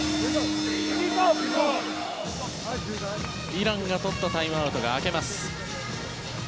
イランが取ったタイムアウトが明けます。